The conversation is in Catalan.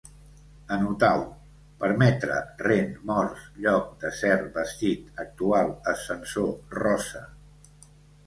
Anotau: permetre, rent, morts, lloc, desert, vestit, actual, ascensor, rosa